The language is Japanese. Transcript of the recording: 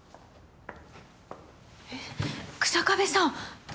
えっ日下部さん。